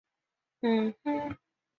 中国国民党籍政治人物。